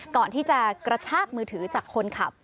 ก่อนที่จะกระชากมือถือจากคนขับ